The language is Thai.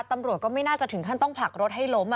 ตำรวจก็ไม่น่าจะถึงขั้นต้องผลักรถให้ล้ม